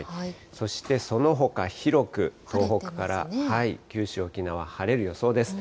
そしてそのほか、広く東北から九州、沖縄、晴れる予想です。